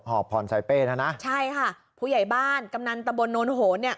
ผ่อนใส่เป้นะนะใช่ค่ะผู้ใหญ่บ้านกำนันตะบนโนนโหนเนี่ย